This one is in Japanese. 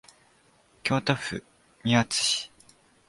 京都府宮津市